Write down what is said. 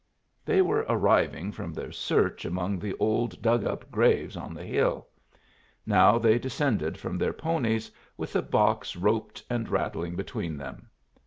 They were arriving from their search among the old dug up graves on the hill. Now they descended from their ponies, with the box roped and rattling between them.